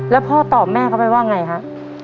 แล้วพ่อตอบแม่เขาไปว่าไงฮะ